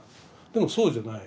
でもそうじゃない。